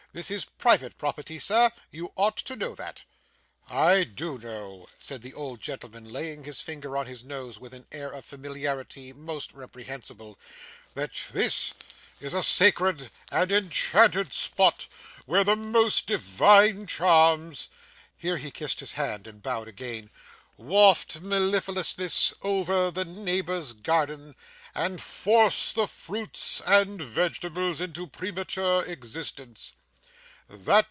This is private property, sir; you ought to know that.' 'I do know,' said the old gentleman, laying his finger on his nose, with an air of familiarity, most reprehensible, 'that this is a sacred and enchanted spot, where the most divine charms' here he kissed his hand and bowed again 'waft mellifluousness over the neighbours' gardens, and force the fruit and vegetables into premature existence.